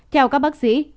theo các bác sĩ